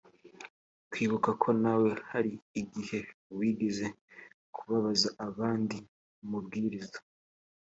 kwibuka ko nawe hari igihe wigeze kubabaza abandi umubwiriza